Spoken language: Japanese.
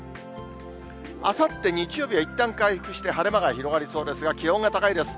あさって日曜日はいったん回復して晴れ間が広がりそうですが、気温が高いです。